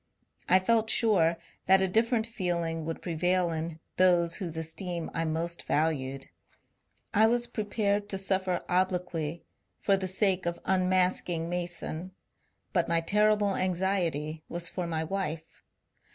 I felt sure that a different feeling would prevail in those whose esteem I most valued ; I was prepared to suffer obloquy for the sake of un masking Mason ; but my terrible anxiety was for my wife.